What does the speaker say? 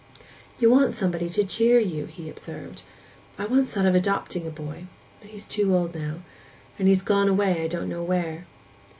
'You want somebody to cheer you,' he observed. 'I once thought of adopting a boy; but he is too old now. And he is gone away I don't know where.